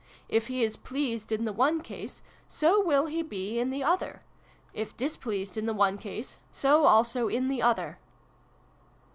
If He is pleased in the one case, so will He be in the other ; if displeased in the one case, so also in the other."